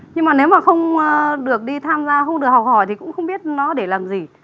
nhưng mà nếu mà không được đi tham gia không được học hỏi thì cũng không biết nó để làm gì